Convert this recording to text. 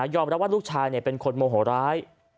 รับว่าลูกชายเป็นคนโมโหร้าย